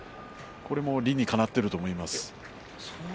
これも理にかなっていると思います。